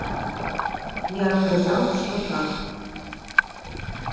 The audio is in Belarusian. Я адказаў, што так.